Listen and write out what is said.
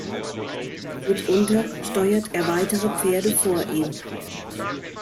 Mitunter steuert er weitere Pferde vor ihm.